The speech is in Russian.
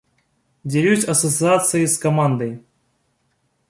Делюсь ассоциацией с командой.